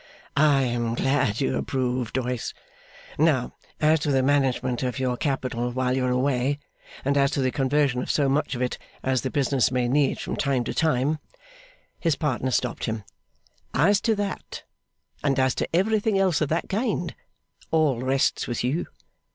'I am glad you approve, Doyce. Now, as to the management of your capital while you are away, and as to the conversion of so much of it as the business may need from time to time ' His partner stopped him. 'As to that, and as to everything else of that kind, all rests with you.